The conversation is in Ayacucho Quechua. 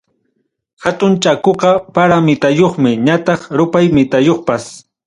Hatun Chakuqa para mitayuqmi ñataq rupay mitayuqpas.